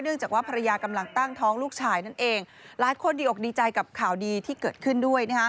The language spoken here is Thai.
จากว่าภรรยากำลังตั้งท้องลูกชายนั่นเองหลายคนดีอกดีใจกับข่าวดีที่เกิดขึ้นด้วย